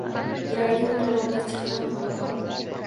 Yuragim — qanoti chiqqan polapon